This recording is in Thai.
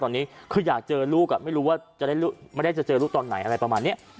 ตอนนี้คืออยากเจอลูกไม่รู้ว่าไม่ได้จะเจอลูกตอนไหนอะไรประมาณนี้